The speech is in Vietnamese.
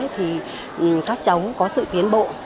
thì các cháu có sự tiến bộ